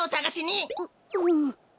ううん。